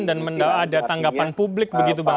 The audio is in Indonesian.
dan ada tanggapan publik begitu bang